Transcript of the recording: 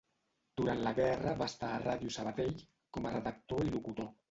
Durant la guerra va estar a Ràdio Sabadell, com a redactor i locutor.